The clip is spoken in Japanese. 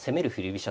飛車